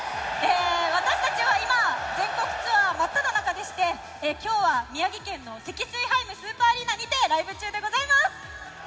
私たちは今、全国ツアー真っただ中でして今日は宮城県のセキスイハイムスーパーアリーナにてライブ中です。